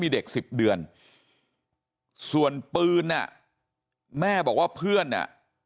มีเด็กสิบเดือนส่วนปืนอ่ะแม่บอกว่าเพื่อนอ่ะ